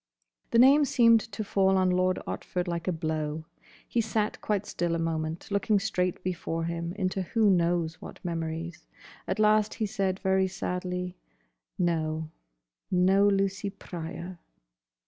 The name seemed to fall on Lord Otford like a blow. He sat quite still a moment, looking straight before him into who knows what memories. At last he said very sadly, "No. No Lucy Pryor."